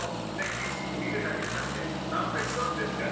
景色見るだけでだって寒そうですから。